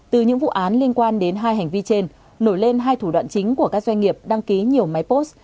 từ những vụ án liên quan đến hai hành vi trên nổi lên hai thủ đoạn chính của các doanh nghiệp đăng ký nhiều máy post